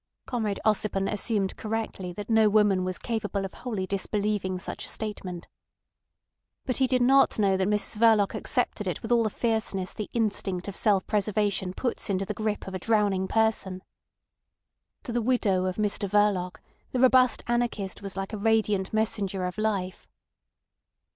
Comrade Ossipon assumed correctly that no woman was capable of wholly disbelieving such a statement. But he did not know that Mrs Verloc accepted it with all the fierceness the instinct of self preservation puts into the grip of a drowning person. To the widow of Mr Verloc the robust anarchist was like a radiant messenger of life.